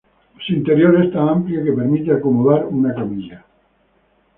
Su interior es tan amplio que permite acomodar una camilla.